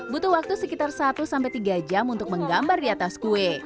butuh waktu sekitar satu sampai tiga jam untuk menggambar di atas kue